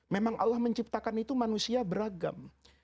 memang allah menciptakan itu manusia beragam